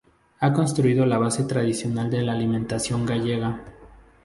Ha constituido la base tradicional de la alimentación gallega.